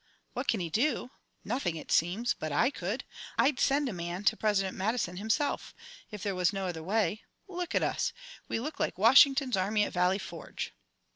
"What can he do? Nothing, it seems; but I could. I'd send a man to President Madison himself, if there was no other way. Look at us! We look like Washington's army at Valley Forge!"